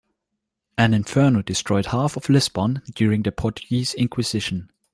An inferno destroyed half of Lisbon during the Portuguese inquisition.